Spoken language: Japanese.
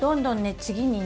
次にね